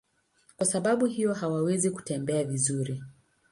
Kwa sababu hiyo hawawezi kutembea vizuri.